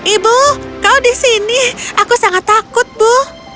ibu kau di sini aku sangat takut bu